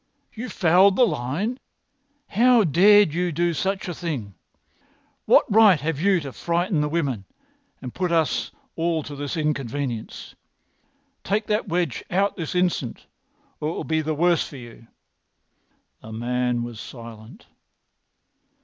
"You fouled the line! How dared you do such a thing! What right have you to frighten the women and put us all to this inconvenience? Take that wedge out this instant, or it will be the worse for you." The man was silent.